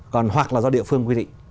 còn hoặc là do địa phương quy định